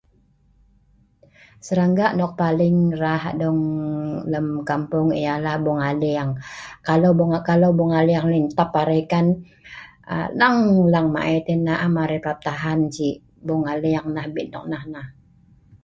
Serangga nok paling rah dong lem kampung ialah bung'aleng. Kalau bung'aleng nai ntap arai kan aa lang lang ma'et si nah am arai parap tahan si' bung'aleng nah abin nok nah nah